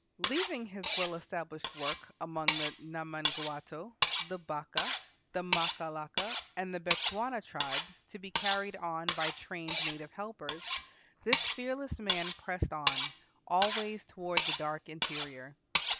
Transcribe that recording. Leaving his well established work among the Namangwato, the Bakaa, the Makalaka, and the Bechuana tribes to be carried on by trained native helpers, this fearless man pressed on always toward the dark interior.